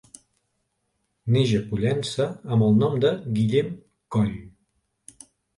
Neix a Pollença amb el nom de Guillem Coll.